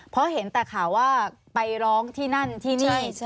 เพราะเห็นแต่ข่าวว่าไปร้องที่นั่นที่นี่